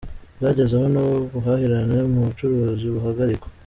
Byageze aho n’ubuhahirane mu bucuruzi buhagarikwa.